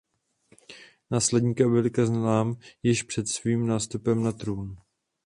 Následník je obvykle znám již před svým nástupem na trůn.